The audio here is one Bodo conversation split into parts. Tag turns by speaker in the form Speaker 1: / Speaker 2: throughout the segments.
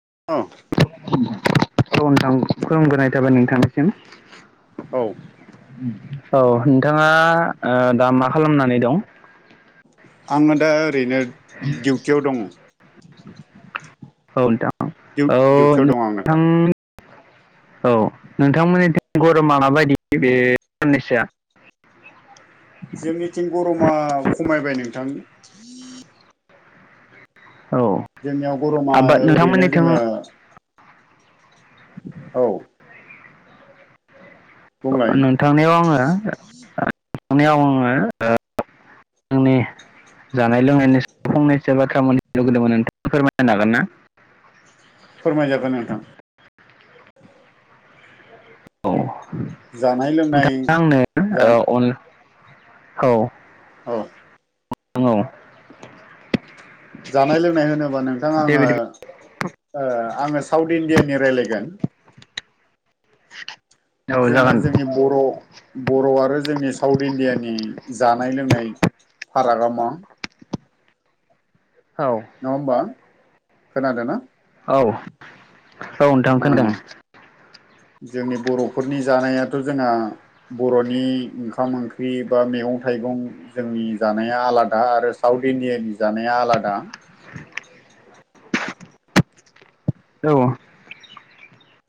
Speaker 1: [inaudible]
Speaker 2: औ नोंथां खुलुमगोरनाय थाबाय नोंथांनिसिम।
Speaker 1: औ।
Speaker 2: औ नोंथाङा दा मा खालामनानै दं?
Speaker 1: आङो दा ओरैनो डिउटियाव दङ।
Speaker 2: औ नोंथां औ
Speaker 1: डिउटियाव दङ आं
Speaker 2: नोंथां औ नोंथांमोननि गरमा माबायदि बे साननैसोआ? [inaudible]
Speaker 1: जोंनिथिं गरमा खमायबाय नोंथां।
Speaker 2: औ
Speaker 1: जोंनियाव गरमा
Speaker 2: आबाद
Speaker 1: ओरैनो
Speaker 2: नोंथांमोननिथिं
Speaker 1: जोङो औ। बुंलाय
Speaker 2: नोंथांनियाव आङो नोंथांनियाव आङो [unintelligible] जानाय लोंनायनि फंनैसो बाथ्रा बुंनो लुुबैदोंमोन नोंथां फोरमायनो हागोन ना?
Speaker 1: फोरमायजागोन नोंथां।
Speaker 2: औ
Speaker 1: जानाय लोंनाय
Speaker 2: नोंथाङा आंनो
Speaker 1: जानाय
Speaker 2: अन औ।
Speaker 1: औ।
Speaker 2: [inaudible]
Speaker 1: जानाय लोंनाय होनोबा नोंथा
Speaker 2: दे
Speaker 1: आङो
Speaker 2: बिदिब्ला
Speaker 1: आङो साउथ इण्डियानि रायलायगोन।
Speaker 2: औ
Speaker 1: जोङो
Speaker 2: जागोन
Speaker 1: जोंनि बर' बर' आरो जोंनि साउथ इण्डियानि जा जानाय लोंनाय फारागा मा?
Speaker 2: औ
Speaker 1: नङा होमबा खोनादों ना?
Speaker 2: औ औ नोंथां खोनादों।
Speaker 1: उम जोंनि बर'फोरनि जानायाथ' जोंहा बर'नि ओंखाम ओंख्रि बा मैगं थाइ थाइगं जोंनि जानाया आलादा आरो साउथ इण्डियानि जानाया आलादा।
Speaker 2: औ।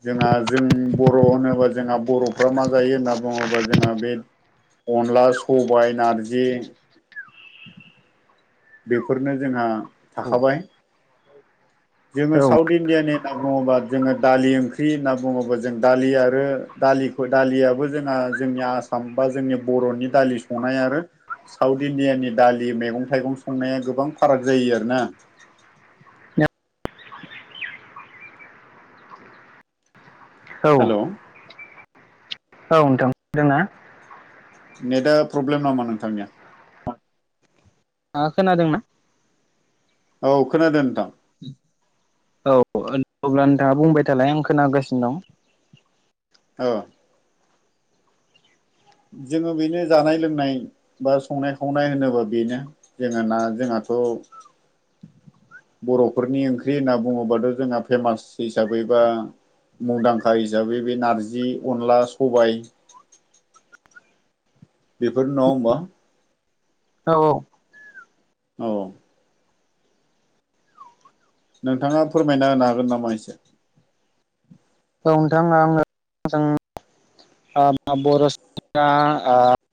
Speaker 1: जोंहा जों बर' होनोबा जोंहा बर'फ्रा मा जायो होनना बुङोबा जोंहा बे अनला, सबाय, नारजि बेफोरनो जोंहा थाखाबाय। जोङो
Speaker 2: औ
Speaker 1: साउथ इण्डियानि होनना बुङोबा जोङो दालि ओंख्रि होनना बुङोबा जों दालि आरो दालिखौ दालियाबो जोंहा जोंनि आसाम बा जोंनि बर'नि दालि संनाय आरो साउथ इण्डियानि दालि मैगं थाइगं संनाया गोबां फाराग जायो आरोना।
Speaker 2: द [unintelligible] औ
Speaker 1: हेल'!
Speaker 2: औ नोंथां
Speaker 1: नेटा प्रब्लेम नामा नोंथांनिया?
Speaker 2: खोनादोंना?
Speaker 1: औ खोनादों नोंथां।
Speaker 2: औ अब्ला नोंथाङा बुंबाय थालाय आं खोनागासिनो दं।
Speaker 1: औ। जोङो बेनो जानाय लोंनाय बा संनाय खावनाय होनोब्ला बेनो जोङो ना जोंहा आ'
Speaker 2: [unintelligible]
Speaker 1: बर'फोरनि ओंख्रि होनना बुङोबाथ' जोंहा फेमास हिसाबै बा मुंदांखा हिसाबै बे नारजि अनला सबाय बेफोर नङा होमबा
Speaker 2: औ औ
Speaker 1: औ नोंथाङा फोरमायना होनो हागोन नामा एसे
Speaker 2: औ नोंथाङाआं मोजां बर'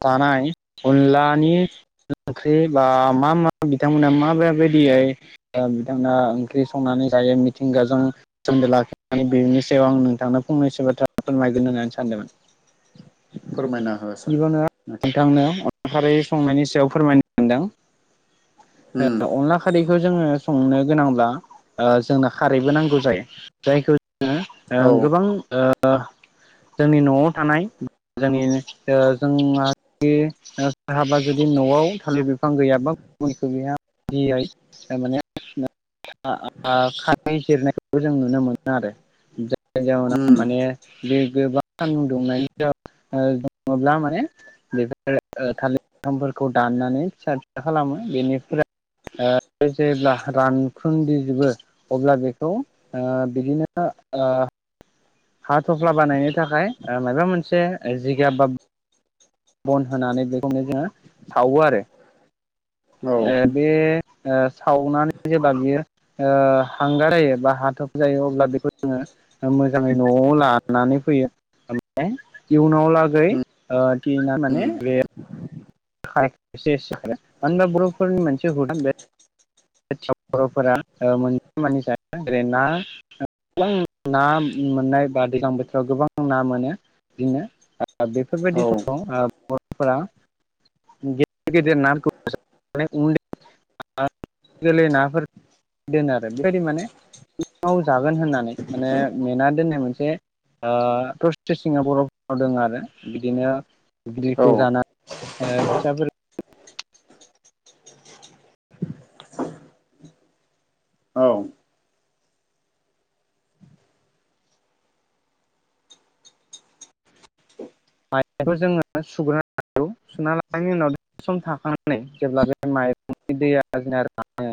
Speaker 2: थानाय अनलानि ओंख्रि बा मा मा बिथांमोना मा माबायदियै बिथांमोना ओंख्रि संनानै जायो? मिथिंगाजों सोमोन्दो लाखिनानै बेनो व आं नोंथांनो फंनैसो बाथ्रा फोरमायगोन होननानै सानदोंमोन।
Speaker 1: फोरमायना हो सार
Speaker 2: यावनो
Speaker 1: नोंथां
Speaker 2: नोंथांनो संनायनि सायाव फोरमायनो मोनदों
Speaker 1: उम
Speaker 2: अनला खारैखौ जोङो संनो गोनांब्ला जोंनो खारैबो नांगौ जायो जायखौ जोङो
Speaker 1: औ
Speaker 2: गोबां जोंनि न'आव थानाय जोंनि जोंहा ए हाबा जुदि न'आव थालिर बिफां गैयाबा बिय माने खानाय जिरनायखौबो जों नुनो मोनो आरो जउोनाव
Speaker 1: उम
Speaker 2: माने बे गोबां मुं दुंनायनि जाउ दङोब्ला माने बेफोर थालिर [unintelligible] फोरखौ दाननानै फिसा फिसा खालामो बेनिफ्राय जेब्ला रानखुदिजोबो अब्ला बेखौ बिदिनो अ हा थफ्ला बानायनो थाखाय माबा मोनसे जिगाब बा बन होनानै बेखौनो जोङो सावो आरो
Speaker 1: औ
Speaker 2: [unintelligible] बे सावनानै जेब्ला बियो हांगार जायो बा हाथब जायो अब्ला बेखौ जोङो मोजाङै न'आव लानानै फैयो। ओमफाय इयुनाव लागै
Speaker 1: उम
Speaker 2: थिना
Speaker 1: उम
Speaker 2: माने बे। खायसे मानो होनबा बर'फोरनि मोनसे हुदा बे। बर'फोरा मोनसे मानि जाग्रा आरोना। गोबां ना मोननाय बा दैज्लां बोथोराव गोबां ना मोनो बिदिनो। बेफोरबायदि
Speaker 1: औ
Speaker 2: समाव ओ। बरफोरा गदेर गदेर ना खौसो जानाय नुनोमोनो। गेलै नाफोर दोन आरो बेबायदि माने। उनाव जागोन होननानै माने मेना दोननाय मोनसे। ओ प्रसेसिंआ बर'फोराव दङ आरो बिदिनो
Speaker 1: औ
Speaker 2: बिुबग्लिखौ जाना। ओ फिसाफोर। माइखौ जोङो सुग्रोना। लानांगौ सुना लानायनायनि उनाव सम थांनानै जेब्ला बे माइरंनि दैया जोंना रानो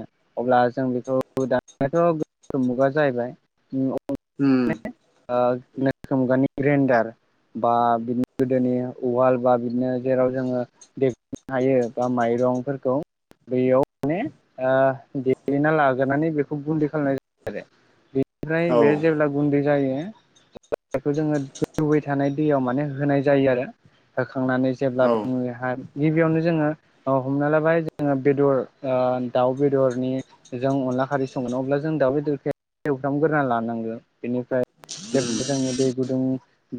Speaker 2: अब्ला जों बेखौ दानियाथ' गोदान मुगा जाहैबाय
Speaker 1: उम।
Speaker 2: ओ गोनोखो मुगानि ग्रेन्डार बा बिदिनो गोदोनि उवाल बा बिदिनो जेराव जोङो दे नो हायो बा माइरंफोरखौ बेयाव माने ओ देग्लिना लाग्रोनानै बेखौ गुन्दै खालामनाय जायो आरो। बेनिफ्राय
Speaker 1: औ
Speaker 2: बे जेब्ला गुन्दै जायो [unintelligible] जोङो गोदौबाय थानाय दैयाव माने होनाय जायो आरो। होखांनानै जेब्ला
Speaker 1: औ
Speaker 2: [unintelligible] गिबियावनो जोङो हमना लाबाय जोङो बेदर ओ ओ दाउ बेदरनि जों अनला खारै संगोन अब्ला जों दाउ बेदरखौ एवथामग्रोना लानांगोन बेनिफ्राय
Speaker 1: उम
Speaker 2: जेब्ला जों दै गुदुं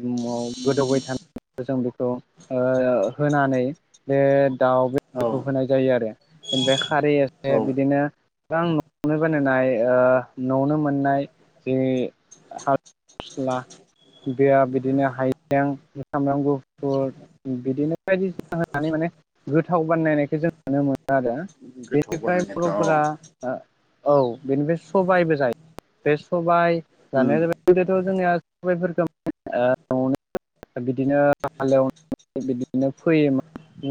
Speaker 2: म गोदौबाय थानाय जों बेखौ ओ होनानै बे दाउ
Speaker 1: औ
Speaker 2: बेदरखौ होनाय जायो आरो। ओनिफाय खारै एसे
Speaker 1: औ
Speaker 2: बिदिनो [unintelligible] न'आवनो बानायनाय ओ न'आवनो मोननाय बे हा फिला बेया बिदिनो हाइजें, साब्राम गुफुर बिदिनो बायदिसिना होनानै माने गोथाव बानायनायखौ जों नुनो मोनो आरो।
Speaker 1: गोथाव
Speaker 2: बेनिफ्राय
Speaker 1: बानायनायखौ औ
Speaker 2: बर'फोरा ओ औ बेनिफ्राय सबायबो जायो। बे सबाय
Speaker 1: उम
Speaker 2: जानाया जाबाय गोदोथ' जोंनिया सबायफोरखौ ओ न'आवनो बिदिनो हालेवनानै बिदिनो फैयोमोन।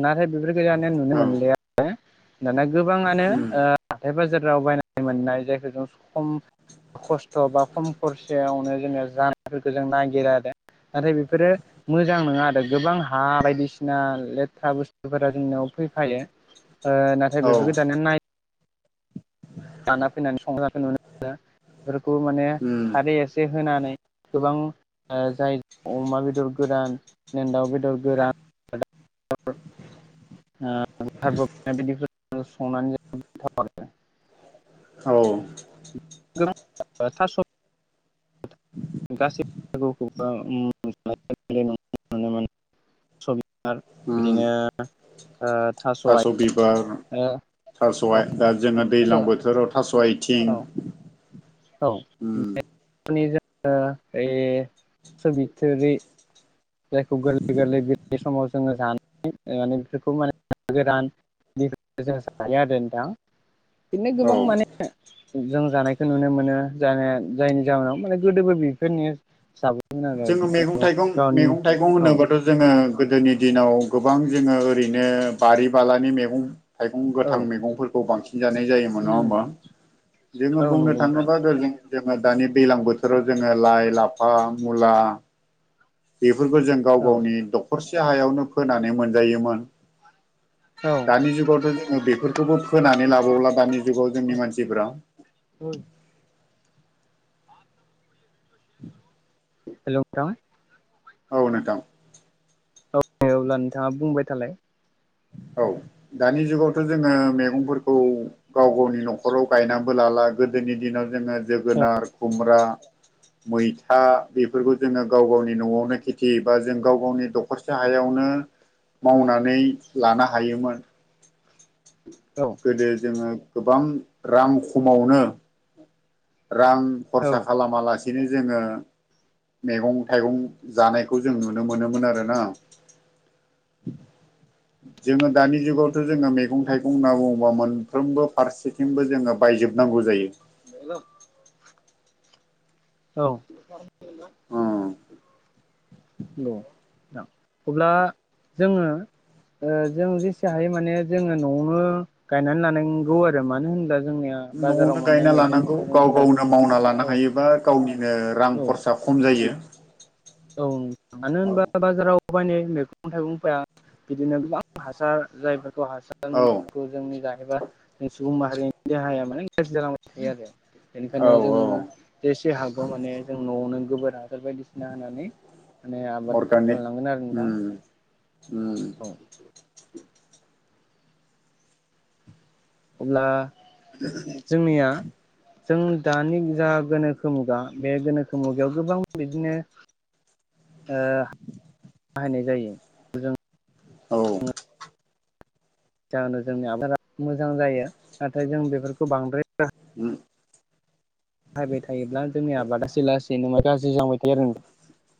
Speaker 2: नाथाय बेफोरफोरखौ दानिया नुनो
Speaker 1: औ
Speaker 2: मोनलिया। दानिया गोबाङानो
Speaker 1: उम
Speaker 2: ओ हाथाय बाजाराव बायनानै मोननाय जायखौ जों खम खस्थ' बा खम खरसायावनो जोङो जानायफोरखौ जों नागिरो आरो। नाथाय बेफोरो मोजां नङा आरो गोबां हा बायदिसिना लेथ्रा बुस्थुफोरा जोंनियाव फैफायो ओ नाथाय
Speaker 1: औ
Speaker 2: बेफोरखौ दानिया नाय लाना फैनानै संनायखौ नुनो मोनो। बेफोरखौ माने
Speaker 1: उम
Speaker 2: खारै एसे होनानै गोबां ओ जाय अमा बेदर गोरान, दाउ बेदर गोरान [unintelligible] [unintelligible]
Speaker 1: औ
Speaker 2: गोबां ओ थास' [unintelligible] स' बिबार
Speaker 1: उम
Speaker 2: बिदिनो
Speaker 1: थास' बिबार
Speaker 2: आथिं औ
Speaker 1: थास'हाय दा जोङो दैलां बोथोराव थास' स' आयथिं
Speaker 2: औ बे जोंनो ऐ थास बिथोरि जायखौ गोरलै गोरलै बिलाइ समाव जोङो जानानै माने बेफोरखौ माने गोदान [unintelligible] आरो नोंथां। बिदिनो
Speaker 1: औ
Speaker 2: गोबां माने जों जानायखो नुनो मोनो जानाया जायनि जाहोनाव माने गोदोबो बेफोरनि सा
Speaker 1: जोङो मैगं थाइगं मैगं थाइगं
Speaker 2: औ
Speaker 1: होनोबाथ' जोङो ओ गोदोनि दिनाव गोबां जोङो ओरैनो बारि बालानि मेगं थाइगं
Speaker 2: औ
Speaker 1: गोथां मैगंफोरखौ बांसिन जानाय जायोमोन नङा होमबा? जोङो
Speaker 2: औ
Speaker 1: बुंनो
Speaker 2: नंगौ नोंथां
Speaker 1: थाङोबा गोदो जोङो दानि दैलां बोथोराव जोङो लाइ लाफा, मुला बेफोरखौ जों गाव
Speaker 2: औ
Speaker 1: गावनि दखरसे हायावनो फोनानै मोनजायोमोन।
Speaker 2: [unintelligible]
Speaker 1: दानि जुगावथ' जोङो बेफोरखौबो फोनानै लाबावला दानि जुगाव जोंनि मानसिफ्रा।
Speaker 2: ओ।
Speaker 1: [unintelligible]
Speaker 2: हेलौ नोंथां
Speaker 1: औ नोंथां
Speaker 2: औ अब्ला नोंथाङा बुंबाय थालाय।
Speaker 1: औ दानि जुगावथ जोङो मैगंफोरखौ गाव गावनि न'खराव गायनानैबो ला ला गोदोनि दिनाव जोङो
Speaker 2: औ
Speaker 1: जोगोनार खुमब्रा मैथा बेफोरखौ जोङो गाव गावनि न'आवनो खेथि बा जों गाव गावनि दखरसे हायावनो नो मावनानै लानो हायोमोन
Speaker 2: औ
Speaker 1: गोदो जोङो गोबां रां खमावनो रां
Speaker 2: औ
Speaker 1: खरसा खालामालासिनो जोङो मेगं थाइगं जानायखौ जों नुनो मोनोमोन आरोना
Speaker 2: [inaudible]
Speaker 1: जोङो दानि जुगावथ जोङो मैगं थाइगं होनना बुङोबा मोनफ्रोमबो फारसेथिंबो जोङो बाय बायजोबनांगौ जायो।
Speaker 2: हेलौ औ
Speaker 1: जायो
Speaker 2: [unintelligible] अब्ला जोङो ओ जों जेसे हायो माने जोङो न'आवनो गायनानै लानांगौ आरो मानो होनब्ला जोंनिया बाजाराव
Speaker 1: न'आवनो
Speaker 2: मोननाय
Speaker 1: गायना
Speaker 2: मैगं
Speaker 1: लानांगौ गाव
Speaker 2: थाइगंफोरा
Speaker 1: गावनो मावना लानो
Speaker 2: औ
Speaker 1: हायोबा गावनिनो रां
Speaker 2: औ
Speaker 1: खरसा खम जायो।
Speaker 2: औ मानो
Speaker 1: औ
Speaker 2: होनबा बाजाराव [unintelligible] मैगं थाइगंफोरा बिदिनो गोबां हासार जायफोर हासार
Speaker 1: औ
Speaker 2: [unintelligible] जोंनो जानोबा सुबुं माहारिनि देहाया माने गाज्रि जालांबाय थायो आरो
Speaker 1: औ
Speaker 2: बेनिखायनो जोङो
Speaker 1: औ
Speaker 2: जेसे हागौ माने जों न'आवनो गोबोर हासार बायदिसिना माने माने आबाद
Speaker 1: अर्गानिक
Speaker 2: खालामलांगोन आरो नोंथां
Speaker 1: उम उम
Speaker 2: औ [inaudible] अब्ला जोंनिया जों दानि जा गोनोखो मुगा बे गोनोखो मुगायाव गोबां बिदिनो ओ बाहायनाय जायो जों
Speaker 1: औ
Speaker 2: जाहोनाव जोंनि आबादा मोजां जायो नाथाय जों बेफोरखौ बांद्राय
Speaker 1: उम
Speaker 2: बाहायबाय थायोब्ला जोंनि आबादा लासै लासैनो गाज्रि जालांबाय थायो आरो नोंथां।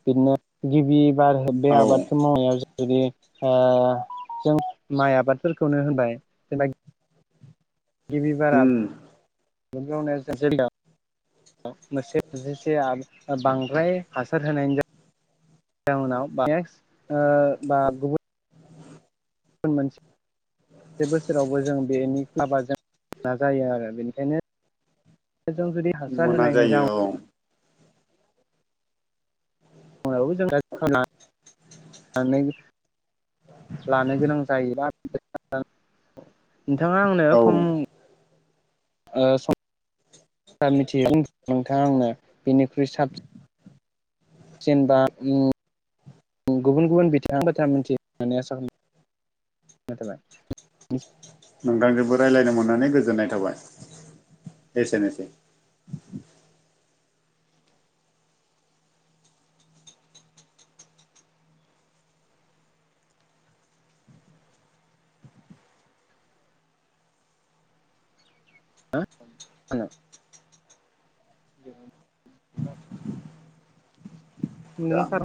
Speaker 2: बिदिनो गिबि बार बे
Speaker 1: औ
Speaker 2: आबादखो मावनायाव जो जुदि ओ जों माइ आबादफोरखौनो होनबाय जेनेबा गिबि बारा
Speaker 1: उम
Speaker 2: [unintelligible] मोनसे [unintelligible] बांद्राय हासार होनायनि जा जाउनाव [unintelligible] ओ बा गुबुन गुबुन मोनसे से बोसोरावबो जों बेनि क्लाबा जों नाजायो आरो बेनिखायनो जों जुदि हासार
Speaker 1: मोना
Speaker 2: होनायनि
Speaker 1: जायो
Speaker 2: जाउ
Speaker 1: औ
Speaker 2: नाव [unintelligible] लानो गोनां जायोबा [unintelligible] नोंथाङा आंनो
Speaker 1: औ
Speaker 2: खम ओ सम मिथियो नोंथाङा आंनो बिनिख्रुइ साबसिन जेनबा उम गुबुन गुबुन बिथिंनि बाथ्रा मिथियो होन्नानै आसा खालाम [unintelligible]
Speaker 1: नोंथांजोंबो रायज्लायनो मोननानै गोजोननाय थाबाय। एसेनोसै।
Speaker 2: [unintelligible] [inaudible]
Speaker 1: दा
Speaker 2: [unintelligible]